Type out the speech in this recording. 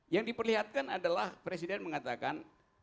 yang diperlihatkan adalah presiden mengatakan